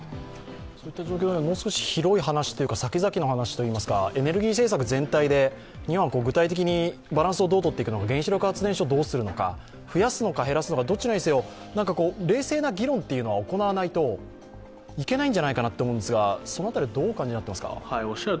そういった状況の中で、もう少し広い話、さきざきの話でエネルギー政策全体で、日本は全体的にバランスをどう取っていくのか、原子力発電所をどうするのか増やすのか減らすのか、どちらにせよ冷静な議論は行わないといけないんじゃないかと思いますがその辺りはどうお感じになっていますか？